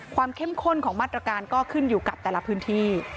เข้มข้นของมาตรการก็ขึ้นอยู่กับแต่ละพื้นที่